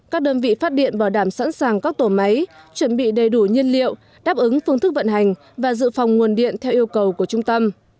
các đơn vị phát điện bảo đảm sẵn sàng các tổ máy chuẩn bị đầy đủ nhiên liệu đáp ứng phương thức vận hành và dự phòng nguồn điện theo yêu cầu của trung tâm